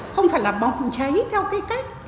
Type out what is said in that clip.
không phải là bọng cháy theo cái cách